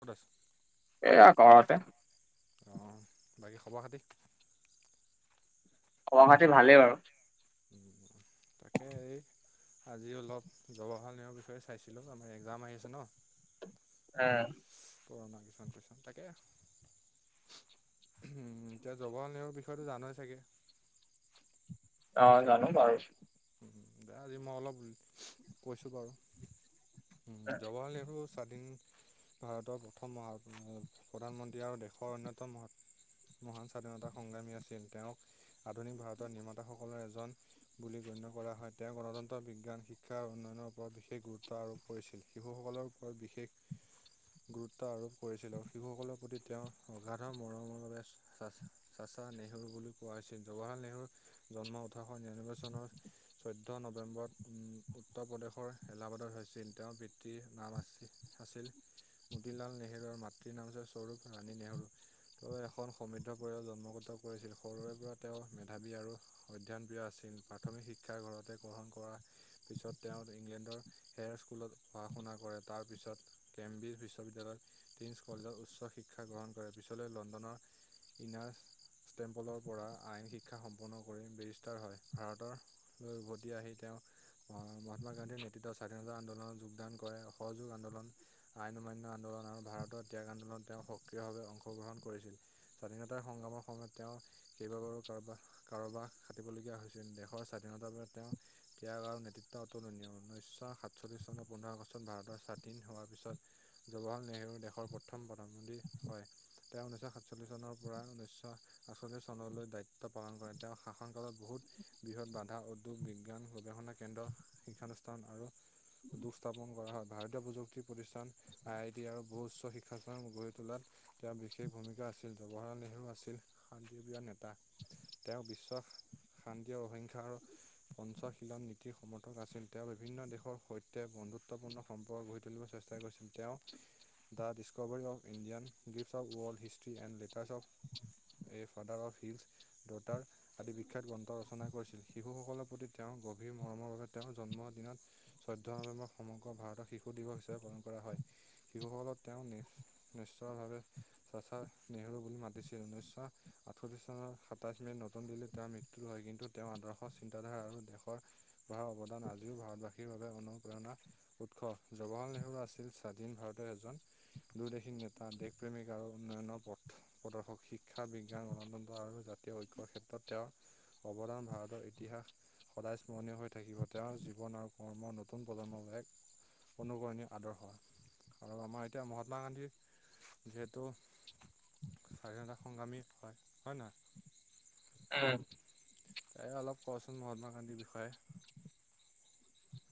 ক'ত আছ? এইয়া ঘৰতে। অঁ বাকী খবৰ-খাতি? খবৰ-খাতি ভালেই বাৰু। [unintelligible] তাকে এই, আজি অলপ জৱহাল নেহৰুৰ বিষয়ে চাইছিলোঁ, আমাৰ একজাম আহিছে ন'। এ' পুৰণা কিখন কৈছো তাকে উমঁ এতিয়া জবহলাল নেহৰু বিষয়েটো জানেই চাগে অ অলপ চলপ জানো বাৰু দে আজি মই অলপ কৈছোঁ বাৰু উমঁ জৱাহল নেহৰু হৈছে স্বাধীন ভাৰতৰ প্ৰথম মহা প্ৰধানমন্ত্ৰী আৰু দেশৰ অন্যতম মহাত- মহান স্বাধীনতা সংগ্ৰামী আছিল তেওঁক আধুনিক ভাৰতৰ নিৰ্মাতাসকলৰ এজন- বুলি গণ্য কৰা হয় তেওঁ গণতন্ত্ৰ বিজ্ঞান শিক্ষা আৰু উন্নয়নৰ ওপৰত বিশেষ গুৰুত্ব আৰোপ কৰিছিল। শিশুসকলৰ ওপৰত বিশেষ গুৰুত্ব আৰোপ কৰিছিল আৰু শিশুসকলৰ প্ৰতি তেওঁ অগাধ- মৰমৰ বাবে চা চাচা নেহৰু বুলি কোৱাছিল জৱাহৰলাল নেহৰু- জন্ম ওঠৰশ নিৰানব্বৈ চনৰ- চৈধ্য নৱেম্বৰত উত্তৰ প্ৰদেশৰ এলাবাদত হৈছিল তেওঁৰ পিতৃ নাম আছিল- আছিল মতিলাল নেহেৰুৰ মাতৃৰ নাম আছিল সৌৰূভ ৰাণী নেহেৰু। তেওঁ এখন সমৃদ্ধ পৰিয়াল জন্মগত কৰিছিল সৰুৰে পৰা তেওঁ মেধাবী আৰু- অধ্যয়ন প্ৰিয় আছিল প্ৰাথমিক শিক্ষা ঘৰতে গ্ৰহণ কৰাৰ পিছত তেওঁ ইংলেণ্ডৰ- হেয়াৰ স্কুলত পঢ়া শুনা কৰে তাৰ পিছত কেম্ব্ৰিজ বিশ্ববিদ্যালয়ত- প্ৰিন্ছ কলেজত উচ্চ শিক্ষা গ্ৰহণ কৰে পিছলৈ লণ্ডনৰ ইনাৰছ্ ষ্টেম্পলৰ পৰা আইন শিক্ষা সম্পন্ন কৰি বেৰিষ্টাৰ হয় ভাৰতৰ- লৈ উভতি আহি তেওঁ- মহাত্মা গান্ধীৰ নেতৃত্বত স্বাধীনতা আন্দোলনত যোগদান কৰে সহযোগ আন্দোলন। আইন মান্য আন্দোলন আৰু ভাৰতৰ ত্যাগ আন্দোলত তেওঁ সক্ৰিয়ভাৱে অংশগ্ৰহণ কৰিছিল। স্বাধীনতাৰ সংগ্ৰামৰ সময়ত তেওঁ কেইবাবাৰো কাৰোবাৰ কাৰোবাৰ খাটিবলগীয়া হৈছিল দেশৰ স্বাধীনতাৰ বাবে তেওঁ- ত্যাগ আৰু নেতৃত্ব অতুলনীয় ঊনৈছশ সাতচল্লিছ চনৰ পোন্ধৰ আগষ্টত ভাৰতৰ স্বাধীন হোৱাৰ পিছত। জৱাহৰলাল নেহেৰু দেশৰ প্ৰথম প্ৰধানমন্ত্ৰী হয়ঁ। তেওঁ ঊনৈছশ সাতচল্লি চনৰ পৰা ঊনৈছশ- আঠতিছ চনলৈ দায়িত্ব পালন কৰে তেওঁ শাসন কালত বহুত বৃহৎ বাধা উদ্যোগ বিজ্ঞান গৱেষণা কেন্দ্ৰ শিক্ষানুষ্ঠান আৰু দুগ স্থাপন কৰা হয় ভাৰতীয় প্ৰযুক্তি প্ৰতিষ্ঠান আই টি আৰু বহু উচ্চ শিক্ষানুষ্ঠান গঢ়ি তোলাত। তেওঁৰ বিশেষ ভূমিকা আছিল, জৱাহৰলাল নেহৰু আছিল শান্তি প্ৰিয় নেতা। তেওঁ বিশ্বাস শান্তি আৰু অহিংসা আৰু পঞ্চশীলন নীতিৰ সমৰ্থক আছিল তেওঁ বিভিন্ন দেশৰ সৈতে বন্ধুত্বপূৰ্ণ- সম্পৰ্ক গঢ়ি তুলিব চেষ্টা কৰিছিল তেওঁ the discovery of Indian- gifts of world history and letters of a father of hills daughter- আদি বিখ্যাত গ্ৰন্থ ৰচনা কৰিছিল। শিশুসকলৰ প্ৰতি তেওঁৰ গভীৰ মৰমৰ বাবে তেওঁৰ জন্মৰ দিনত- চৈধ্য নৱেম্বৰত সমগ্ৰ ভাৰতত শিশু দিৱস হিচাপে পালন কৰা হয়। শিশুসকলক তেওঁ নি নিশ্চয় ভাৱে- চাচা নেহেৰু বুলি মাতিছিল। ঊনৈছশ- আঠত্ৰিশ চনৰ সাতাইছ মেত নতুন দিল্লীত তেওঁৰ মৃত্যু হয়, কিন্তু তেওঁৰ আদৰ্শ চিন্তাধাৰা আৰু দেশৰ- কৰা অৱদান আজিও ভাৰতবাসীৰ বাবে অনুপ্ৰেৰণাৰ- উৎস। জৱাহৰলাল নেহেৰু আছিল স্বাধীন ভাৰতৰ এজন দূৰদেশী নেত- তা দেশপ্ৰেমিক আৰু উন্নয়নৰ পথ। প্ৰদৰ্শক। শিক্ষা বিজ্ঞান গণতন্ত্ৰ আৰু জাতীয় ঐক্যৰ ক্ষেত্ৰত তেওঁৰ- অৱদান ভাৰতৰ ইতিহাস। সদায় স্মৰণীয় হৈ থাকিব, তেওঁৰ জীৱন আৰু কৰ্ম নতুন প্ৰজন্মৰ এক অনুকৰণীৰ আদৰ্শ আৰু আমাৰ এতিয়া মহাত্মা গান্ধীৰ যিহেতু স্বাধীনতা সংগ্ৰামী হয়, হয় নে নহয়? উম। এ অলপ কচোন মহাত্মা গান্ধীৰ বিষয়ে।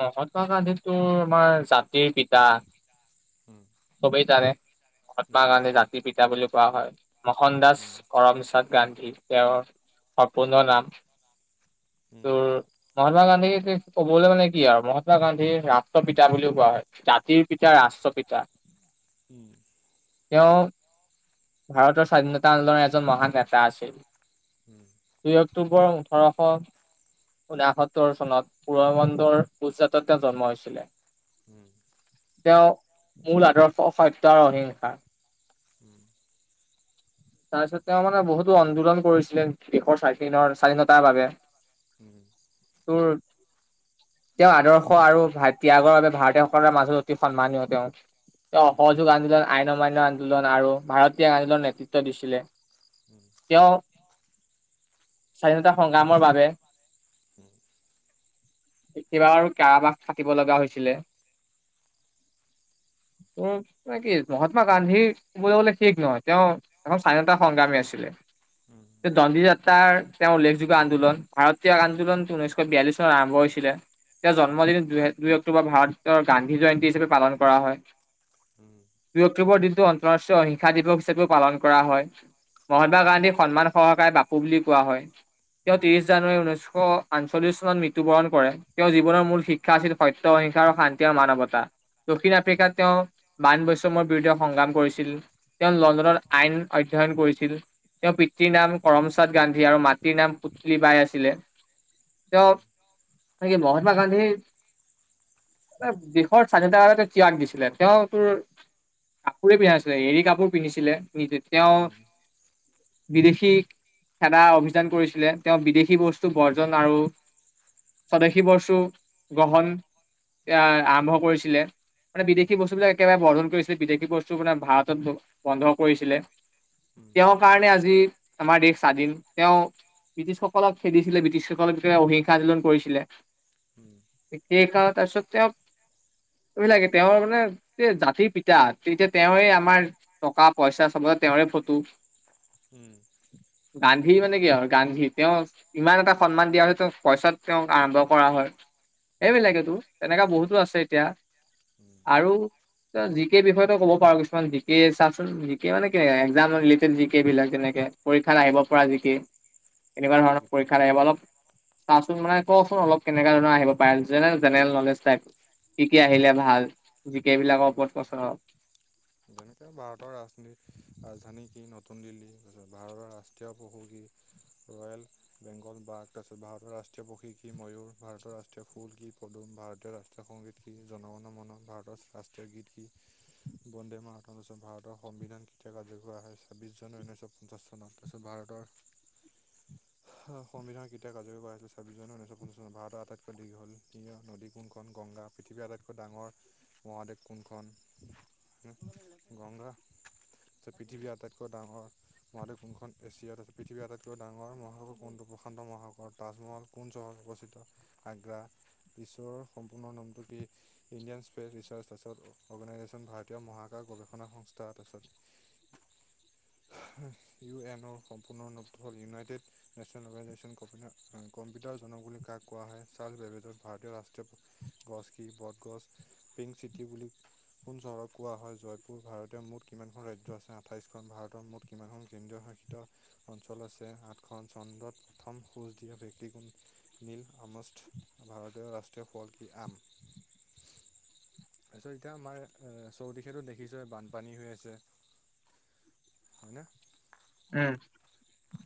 মহাত্মা গান্ধীটো আমাৰ জাতিৰ পিতা। উম, চবেই জানে মহাত্মা উম, গান্ধী জাতিৰ পিতা বুলি কোৱা হয়। মোহন দাস উম, কৰমচাদ গান্ধী, তেওঁৰ সম্পূৰ্ন নাম। উম, তোৰ মহাত্মা গান্ধী ক'বলৈ মানে কি আৰু মহাত্মা গান্ধীৰ ৰাষ্ট্ৰ পিতা বুলিও কোৱা হয়। জাতিৰ পিতা ৰাষ্ট্ৰ পিতা। উম। তেওঁ ভাৰতৰ স্বাধীনতা আন্দোলনৰ এজন মহান নেতা আছিল। উম। দুই অক্টোবৰ ওঠৰশ ঊনাসত্তৰ চনত পৰবন্দৰ গুজৰাটত তেওঁৰ জন্ম হৈছিলে। উম। তেওঁ মূল আদৰ্শ সত্য আৰু অহিংসাৰ। উম। তাৰপিছত তেওঁ মানে বহুতো অন্দোলন কৰিছিলে দেশৰ স্বাধীনৰ স্বাধীনতাৰ বাবে। উম। তোৰ তেওঁৰ আদৰ্শ আৰু ভা ত্যাগৰ বাবে ভাৰতীয়সকলৰ মাজত অতি সন্মানীয় তেওঁ। তেওঁ উম। অসহযোগ আন্দোলন, আইন অমান্য আন্দোলন আৰু ভাৰত ত্যাগ আন্দোলনৰ নেতৃত্ব দিছিলে। উম। তেওঁ স্বাধীনতা সংগ্ৰামৰ বাবে উম। কেইবা বাৰো কাৰাবাস খাটিব লগা হৈছিলে। উম কি মহাত্মা গান্ধীৰ কবলে গলে শেষ নহয়, তেওঁ এজন স্বাধীনতা সংগ্ৰামী আছিলে। উম। দণ্ডি যাত্ৰাৰ তেওঁ উল্লেখযোগ্য আন্দোলন, ভাৰত ত্যাগ আন্দোলনটো ঊনৈশ বিয়াল্লিশ চনত আৰম্ভ হৈছিলে। তেওঁৰ উম। জন্মদিন দু দুই অক্টোবৰত ভাৰতৰ গান্ধী জয়ন্তী হিচাপে পালন কৰা হয়। উম। দুই অক্টোবৰ দিনটো আন্তৰাষ্ট্ৰীয় অহিংসা দিৱস হিচাপেও পালন কৰা হয়, মহাত্মা গান্ধীৰ সন্মান সহকাৰে বাপু বুলি কোৱা হয়, তেওঁ উম, ত্ৰিশ জানুৱাৰী ঊনৈছশ আঠচল্লিশ চনত মৃত্যুবৰণ কৰে। তেওঁৰ জীৱনৰ মূল শিক্ষা আছিল সত্য অহিংসা আৰু শান্তি আৰু মানৱতা। দক্ষিণ উম, আফ্ৰিকাত তেওঁ বান বৈষ্ম্যমৰ বিৰুদ্ধে সংগ্ৰাম কৰিছিল, তেওঁ লণ্ডনত আইন অধ্যয়ন কৰিছিল। তেওঁৰ পিতৃৰ নাম কৰমচাদ গান্ধী আৰু মাতৃৰ নাম পুতলী বাই আছিলে। তেওঁ উম, মহাাত্মা গান্ধী দেশৰ স্বাধীনতাৰ কাৰণে তেওঁ ত্যাগ দিছিলে। তেওঁ তোৰ কাপোৰে পিন্ধা নাছিলে, এৰী কাপোৰ পিন্ধিছিলে, নি তেওঁ উম, বিদেশীক খেদা অভিযান কৰিছিলে, তেওঁ বিদেশী বস্তু বৰ্জন আৰু স্বদেশী বস্তু গ্ৰহণ এ আৰম্ভ কৰিছিলে। মানে উম, উম, বিদেশী বস্তুবিলাক একেবাৰে বৰ্ধন কৰিছিলে বিদেশী বস্তু মানে ভাৰতত বন্ধ কৰিছিলে। উম, তেওঁৰ কাৰণে আজি আমাৰ দেশ স্বাধীন তেওঁ ব্ৰিটিছসকলক খেদিছিলে ব্ৰিটিছসকলক অহিংসা আন্দোলন কৰিছিলে। শেষ আও তাৰপিছত তেওঁ এইবিলাকে তেওঁৰ মানে জাতিৰ পিতা তেতিয়া তেওঁৱে আমাৰ টকা পইচা চবতে তেওঁৰে ফটো। উম। গান্ধী মানে কি আৰু গান্ধী তেওঁ ইমান এটা সন্মান দিয়া হৈছে তেওঁ পইচাত তেওঁক আৰম্ভ কৰা হল। উম, উম, এইবিলাকেটো তেনেকুৱা বহুতো আছে এতিয়া উম, আৰু তই জি কে বিষয়েতো ক'ব পাৰ কিছুমান জি কে চাৰ্চ জি কে মানে কি এক্মাম ৰিলেটেদ জি কে বিলাক যেনেকে পৰীক্ষাত আহিব পৰা জি কে। এনেকুৱা ধৰণৰ যি পৰীক্ষাত আহিব অলপ চা চোন মানে কচোন অলপ কেনেকুৱা ধৰণ আহিব পাৰে যেনে জেনেৰেল নলেজ টাইপ। কি কি উম, আহিলে ভাল জি কে বিলাকৰ ওপৰত কচোন অলপ এনেকে ভাৰতৰ ৰাজনীতি ৰাজধানী কি নতুন দিল্লী তাৰপিছত ভাৰতৰ ৰাষ্ট্ৰীয় পশু কি ৰয়েল বেংগল বা তাৰপিছত ভাৰতৰ ৰাষ্ট্ৰীয় পক্ষী কি ময়ূৰ ভাৰতৰ ৰাষ্ট্ৰীয় ফুল কি পদুম ভাৰতীয় ৰাষ্ট্ৰীয় সংগীত কি জনগণ মন ভাৰতৰ ৰাষ্ট্ৰীয় গীত কি বন্দে মা মাতাৰম তাৰপিছত ভাৰতৰ সংবিধান কেতিয়া কাৰ্য্য কৰা হয় ছাব্বিছ চনৰ ঊনৈছশ পঞ্চাছ চনত তাৰপিছত ভাৰতৰ [inaudible] সংবিধানৰ কেতিয়া কাৰ্যকৰী কৰা হৈছিল ছাব্বিছ চনৰ ঊনৈছশ পঞ্চাছ চনত, ভাৰতৰ আটাইতকৈ দীঘল নদী কোনখন গংগা। পৃথিৱীৰ আটাইতকৈ ডাঙৰ মহাদেৱ কোনখন গংগা পৃথিৱীৰ আটাইতকৈ ডাঙৰ মহাদেশ কোনখন এছিয়াত আছে, পৃথিৱীৰ আটাইতকৈ ডাঙৰ মহাসাগৰ কোনটো প্ৰশান্ত মহাসাগৰ তাজমহল কোন চহৰত অৱস্থিত আগ্ৰা, গ্ৰিছৰ সম্পূৰ্ণ নামটো কি Indian space research Assam organisation ভাৰতীয় মহাকাশ গৱেষক সংস্থা তাৰপাছত ইউ এনৰ সম্পূৰ্ণ নামটো হ'ল ইউনাইটেড নেশ্যনেল অৰ্গেনাইজেচন কমিনাৰ। কম্পিউটাৰজনক বুলি কাক কোৱা হয় চাৰ্লস বেবেজক। ভাৰতীয় ৰাষ্ট্ৰীয় গছ কি বটগছ। পিংক চিটি বুলি কোন চহৰক কোৱা হয় জয় পুৰ। ভাৰতীয় মুঠ কিমানখন ৰাজ্য আছে আঠাইছখন। ভাৰতৰ মুঠ কিমানখন কেন্দ্ৰীয় শাসিত অঞ্চল আছে আঠখন। চন্দ্ৰত প্ৰথম খোজ দিয়া ব্যক্তি কোন নীল আৰ্মষ্ট্ৰিং। ভাৰতীয় ৰাষ্ট্ৰীয় ফল কি? আম। তাৰপিছত এতিয়া আমাৰ অ চৌদিশেতো দেখি দেখিছোয়ে বানপানী হৈ আছে। হয়নে? উম।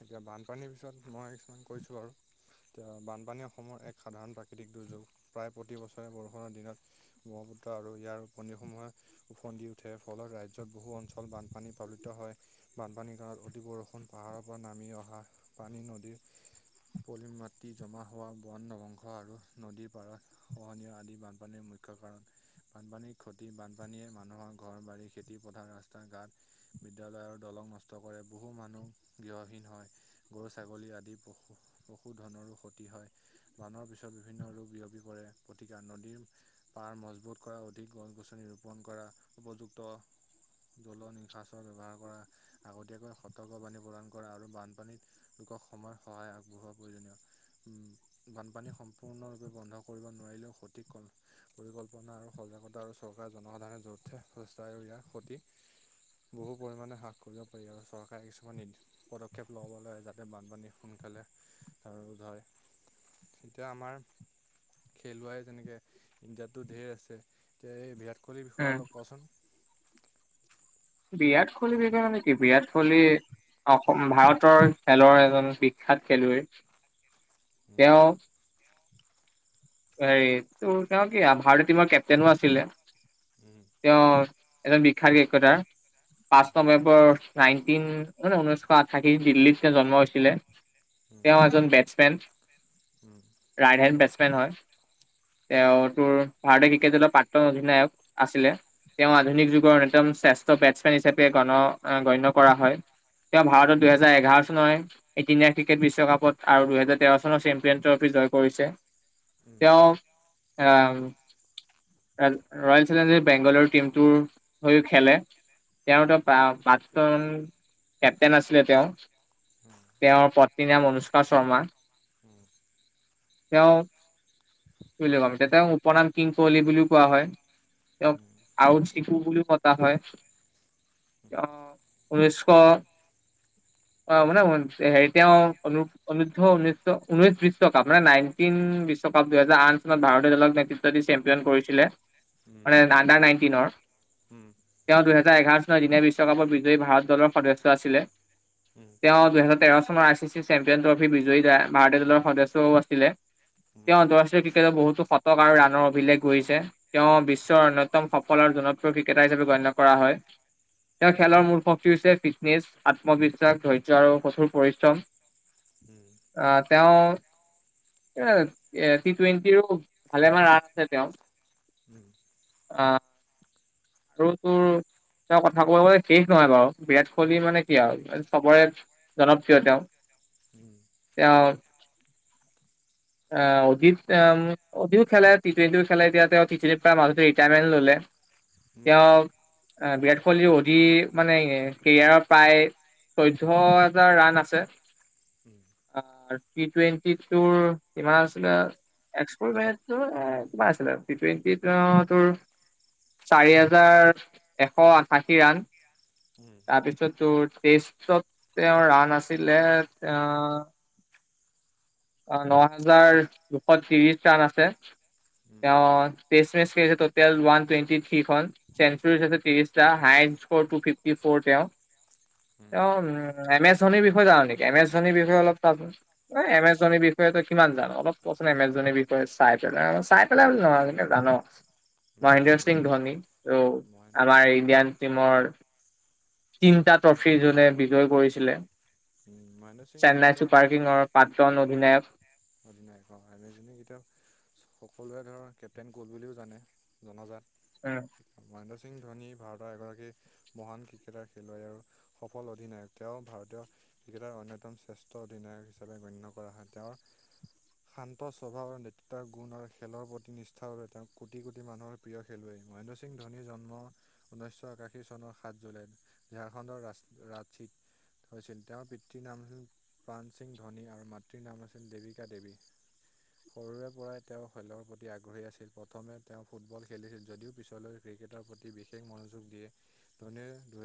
এতিয়া বানপানীৰ বিষয়ত মই কিছুমান কৈছো আৰু এতিয়া বানপানী অসমৰ এক সাধাৰণ প্ৰাকৃতিক দুৰ্যোগ প্ৰায় প্ৰতি বছৰে বৰষুণৰ দিনত ব্ৰহ্মপুত্ৰ আৰু ইয়াৰ উপনদীসমূহে ওফন্দি উঠে ফলত ৰাজ্যত বহু অঞ্চল বানপানী উৎপদিত হয়। বানপানীৰ কালত অতি বৰষুণ পাহাৰৰ পৰা নামি অহা পানী নদীৰ পলি মাটি জমা হোৱা বন নবংস আৰু নদীৰ পাৰত খহনীয় আদি বানপানীৰ মুখ্য কাৰণ। বানপানীৰ ক্ষতি বানপানীয়ে মানুহৰ ঘৰ বাৰী খেতিপথাৰ ৰাস্তা ঘাট বিদ্যালয় আৰু দলং নষ্ট কৰে, বহু মানুহ গৃহহীন হয়, গৰু ছাগলী আদি পশু পশুধনৰো ক্ষতি হয়, বানৰ পিছত বিভিন্ন ৰোগ বিয়পি পৰে গতিকে নদীৰ পাৰ মজবুত কৰা অধিক গছ গছনি ৰোপণ কৰা উপযুক্ত জল নিসাচৰ ব্যৱহাৰ কৰা আগতীয়াকৈ সতৰ্ক পানী প্ৰদান কৰা আৰু বানপানীত লোকক সময় সহায় আগবঢ়োৱাৰ প্ৰয়োজনীয়। উম, বানপানী সম্পূৰ্ণৰূপে বন্ধ কৰিব নোৱাৰিলেও সঠিক ক পৰিকল্পনা আৰু সজাগতা আৰু চৰকাৰে জনসাধাৰণে যথেষ্ট [unintelligible] ইয়াৰ ক্ষতি বহু পৰিমাণে হ্ৰাস কৰিব পাৰি আৰু চৰকাৰে কিছুমান নিদ পদক্ষেপ ল'ব লাগে যাতে বানপানী সোনকালে ৰোধ হয়। এতিয়া আমাৰ খেলুৱৈ যেনেকে ইণ্ডিয়াতো ধেৰ আছে এতিয়া এই বিৰাট কোহলিৰ বিষয়ে উম অলপ কচোন? বিৰাট কোহলি বিষয়ে মানে কি বিৰাট কোহলি অসম ভাৰতৰ খেলৰ এজন বিখ্যাত খেলুৱৈ, উম তেওঁ হেৰি তেওঁ কি ভাৰতীয় টিমৰ কেপটেইনো আছিলে। উম। তেওঁ এজন বিখ্যাত ৰিয়েক কতাৰ, পাঁচ উম নমে নাইনটিন অ', নহয় উনৈশ শ' আঠাশী দিল্লীত তেওঁ জন্ম হৈছিলে। উম তেওঁ এজন বেটছমেন। উম। ৰাইট হেণ্ড বেটছমেন হয়। উম। তেওঁ তোৰ ভাৰতীয় ক্ৰিকেট দলৰ প্ৰাক্তন অধিনায়ক আছিলে। তেওঁ আধুনিক যুগৰ অন্যতম শ্ৰেষ্ঠ বেটছমেন হিচাপে গণ গণ্য কৰা হয়। তেওঁ উম উম উম উম উম উম উম উম উম উম উম উম উম উম উম উম ভাৰতত দুহেজাৰ এঘাৰ চনৰ এইটি নাইন ক্ৰিকেট বিশ্বকাপত আৰু দুহেজাৰ তেৰ চনৰ চেম্পিয়ন ট্ৰফি জয় কৰিছে। তেওঁ আ ৰয়েল চেলেঞ্জাৰ বেংগালৰ টিমটোৰ হৈও খেলে। তেওঁ এটা প্ৰা প্ৰাক্তন কেপ্তেইন আছিলে তেওঁ। তেওঁৰ পত্নীৰ নাম অনুষ্কা শৰ্মা। হুম, তেওঁ [inaudible] বুলি কম এতিয়া তেওঁক উপনাম কিং কোহলি বুলিও কোৱা হয় তেওঁক [unintelligible] [unintelligible] বুলিও মতা হয়, তেওঁ উনৈছশ অ', মানে হেৰি তেওঁ অনু [unintelligible] উনৈশ উনৈশ বিশ্বকাপ মানে নাইনটিন বিশ্ব বিশ্বকাপ দুহেজাৰ আঠ চনত ভাৰতীয় দলক নেতৃত্ব দি চেম্পিয়ন কৰিছিলে মানে আণ্ডাৰ নাইনটিনৰ উম, তেওঁ দুহেজাৰ এঘাৰ চনৰ দিনে বিশ্বকাপৰ বিজয়ী ভাৰত দলৰ সদস্য আছিলে। উম, তেওঁ দুহেজাৰ তেৰ চনৰ I C C champion trophy বিজয়ী ভাৰতীয় দলৰ সদস্যও আছিলে। তেওঁ আন্তঃৰাষ্ট্ৰীয় ক্ৰিকেটত বহুতো শতক আৰু ৰাণৰ অভিলেখ গহিছে। তেওঁ বিশ্বৰ অন্যতম সফল আৰু জনপ্ৰিয় ক্ৰিকেটাৰ হিচাপে গণ্য কৰা হয়। তেওঁ খেলৰ মূল শক্তি হৈছে ফিটনেছ আত্মবিশ্বাস ধৈৰ্য আৰু কঠোৰ পৰিশ্ৰম [unintelligible] উম। অঁ তেওঁ এ এ টি টুৱেণ্টিৰো ভালেমান ৰান আছে তেওঁ আঁহ। আৰু তোৰ তেওঁ কথা কব গলে শেষ নহয় বাৰু বিৰাট কোহলি মানে কি আৰু চবৰে জনপ্ৰিয় তেওঁ‌ তেওঁ এঁ, অদিত অঁ অদি খেলে টি টুৱেন্টি খেলে এতিয়া টি থীৰি পৰা মাজতে ৰিটায়াৰমেণ্ট ললে। উম তেওঁ বিৰাট কোহলি অদি মানে কেৰিয়াৰৰ প্ৰায় চৈধ্যয হাজাৰ ৰাণ আছে, টি টুৱেণ্টি তোৰ তোমাৰ নিচিনা, এক্সুমেন্তো কিমান আছিলে টি টুৱেণ্টি অঁ তোৰ চাৰি হাজাৰ এশ আঠাশী ৰাণ। তাৰপিছত তোৰ টেষ্টত তেওঁ ৰাণ আছিলে অঁ অঁ, ন হাজাৰ দুশ ত্ৰিশ ৰাান আছে। উম তেওঁ টেষ্ট মেচ খেলছে টোটেল ওৱান টুৱেণ্টি থ্ৰীখন। চেঞ্চুৰী ত্ৰিশটা, হায় স্কৰ তু ফিফ তি ফৰ তেওঁ। তেওঁ উম এম এছ ধনিৰ বিষয়ে জান নেকি এম এছ ধনীৰ বিষয়ে অলপ তোন এম এছ ধনী বিষযয়ে তই কিমান জান অলপ কচোন এম এছ ধনীৰ বিষয়ে চাই পেলাই চাই পেলাই বুলি নহয় কি জান মহেন্দ্ৰ সিং এতিয়া ধোনী ত মহেন আমাৰ ইণ্ডিয়ান টিমৰ তিনিটা ট্ৰফি যোনে বিজয় কৰিছিলে, মহেন্দ্ৰ সিং চেন্নাই এতিয়া চুপাৰ কিঙৰ প্ৰাক্তন অধিনায়ক [inaudible] সকলোৱে ধৰক কেপ্টেইন কোহলী বুলিও জানে জনজাত। উম। মহেন্দ্ৰ সিং ধোনী ভাৰতৰ এগৰাকী মহান ক্ৰিকেটাৰ খেলুৱৈ আৰু সফল অধিনায়ক। তেওঁ ভাৰতীয় ক্ৰিকটাৰ অন্যতম শ্ৰেষ্ঠ অধিনায়ক হিচাপে গণ্য কৰা হয়। তেওঁ শান্ত স্বভাৱ আৰু নেতৃত্বৰ গুণ আৰু খেলৰ প্ৰতি নিষ্ঠাৰ বাবে তেওঁক কোটি কোটি মানুহৰ প্ৰিয় খেলুৱৈ, মহেন্দ্ৰ সিং ধোনিৰ জন্ম ঊনৈছশ একাশী চনৰ সাত জুলাইত। ঝাৰখণ্ডৰ ৰাচ ৰাজিত হৈছিল, তেওঁৰ পিতৃ নাম আছিল প্ৰাণ সিং ধোনী আৰু মাতৃৰ নাম আছিল দেৱী দেৱী। সৰুৰে পৰাই তেওঁৰ খেলৰ প্ৰতি আগ্ৰহী আছিল। প্ৰথমে তেওঁ ফুটবল খেলিছিল যদিও পিছলৈ ক্ৰিকেটাৰৰ প্ৰতি বিশেষ মনোযোগ দিয়ে, ধনী